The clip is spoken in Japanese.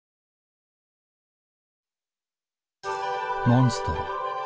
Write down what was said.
モンストロ。